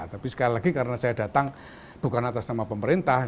tapi sekali lagi karena saya datang bukan atas nama pemerintah